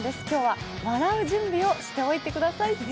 今日は笑う準備をしておいてください。